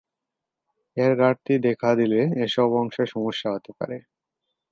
এর ঘাটতি দেখা দিলে এসব অংশে সমস্যা হতে পারে।